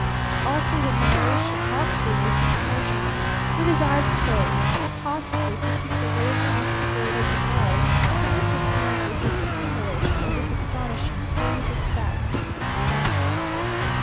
All through the narration Hawksley listened motionless, with his eyes closed, possibly to keep the wavering instability of the walls from interfering with his assimilation of this astonishing series of fact.